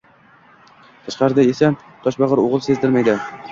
Tashqarida esa toshbagʻir oʻgʻil sezdirmaydi